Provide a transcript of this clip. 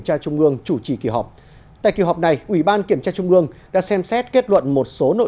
tra trung ương chủ trì kỳ họp tại kỳ họp này ủy ban kiểm tra trung ương đã xem xét kết luận một số nội